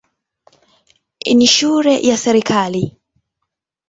Ni shule ya serikali.